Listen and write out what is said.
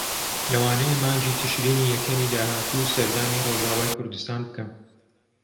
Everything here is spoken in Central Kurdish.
لەوانەیە مانگی تشرینی یەکەمی داهاتوو سەردانی ڕۆژاوای کوردستان بکەم.